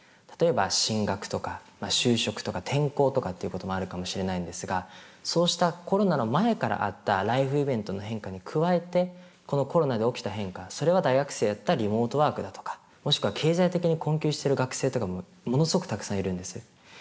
例えば進学とか就職とか転校とかっていうこともあるかもしれないんですがそうしたコロナの前からあったライフイベントの変化に加えてこのコロナで起きた変化それは大学生だったらリモートワークだとかもしくは経済的に困窮してる学生とかもものすごくたくさんいるんです。